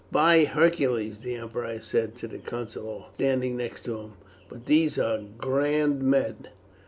"By Hercules," the emperor said to the councillor standing next to him, "but these are grand men!